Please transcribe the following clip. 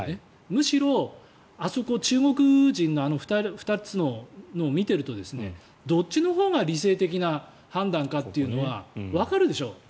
むしろ、あそこ中国人のあの２つのを見ているとどっちのほうが理性的な判断かというのはわかるでしょ。